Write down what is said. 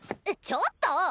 ちょっと！